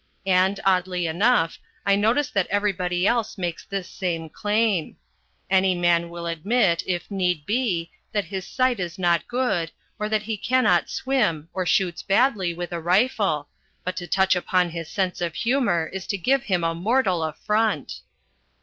And, oddly enough, I notice that everybody else makes this same claim. Any man will admit, if need be, that his sight is not good, or that he cannot swim, or shoots badly with a rifle, but to touch upon his sense of humour is to give him a mortal affront.